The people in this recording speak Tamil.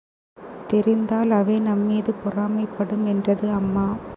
தெரிந்தால், அவை நம்மீது பொறாமைப்படும் என்றது அம்மா.